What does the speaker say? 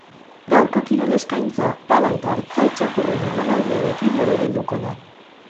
Gaurko kirol eskaintza, pala eta artzai txakurren emanaldiarekin borobilduko da.